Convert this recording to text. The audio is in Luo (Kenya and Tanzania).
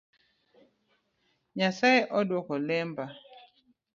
Nyasaye oduoko lemba